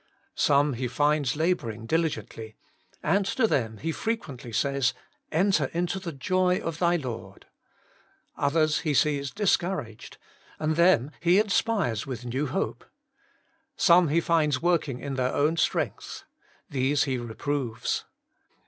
Some He finds labouring diligently, and to them He frequently says :' Enter into the joy of thy Lord.' Others He sees discour aged, and them He inspires with new hope. Some He finds working in their own strength; these He reproves.